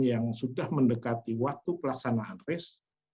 yang sudah mendekati waktu pelaksanaan race